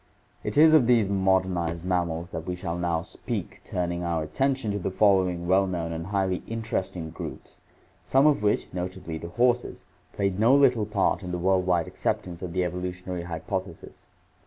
It is of these modernized mammals that we shall now speak, turning our attention to the following well known and highly interesting groups, some of which, notably the horses, played no little part in the world wide acceptance of the evolutionary hypothesis.